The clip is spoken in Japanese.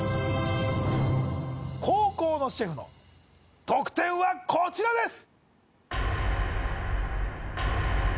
後攻のシェフの得点はこちらです